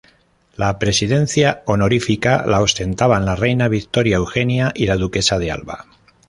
La presidencia honorífica la ostentaban la reina Victoria Eugenia y la Duquesa de Alba.